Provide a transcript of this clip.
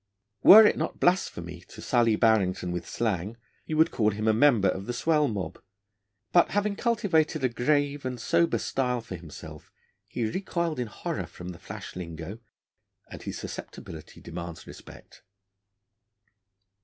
Were it not blasphemy to sully Barrington with slang you would call him a member of the swell mob, but, having cultivated a grave and sober style for himself, he recoiled in horror from the flash lingo, and his susceptibility demands respect.